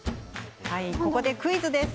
ここでクイズです！